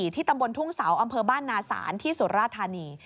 ที่ตำบลทุ่งเสาอำเภอบ้านนาศาลที่สุราธานี